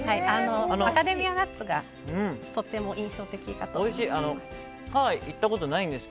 マカデミアナッツがとても印象的かと思います。